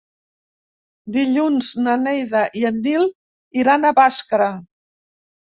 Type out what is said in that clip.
Dilluns na Neida i en Nil iran a Bàscara.